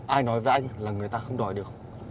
ai nói với anh là người ta không đòi được